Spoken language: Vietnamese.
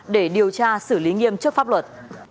để điều tra xử lý nghiêm trước pháp luật